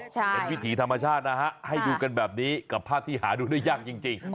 เป็นวิถีธรรมชาตินะฮะให้ดูกันแบบนี้กับภาพที่หาดูได้ยากจริง